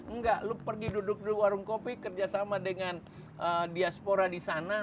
enggak lo pergi duduk di warung kopi kerjasama dengan diaspora di sana